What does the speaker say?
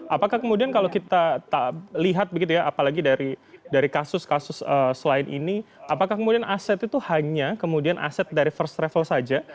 apakah kemudian kalau kita lihat begitu ya apalagi dari kasus kasus selain ini apakah kemudian aset itu hanya kemudian aset dari first travel saja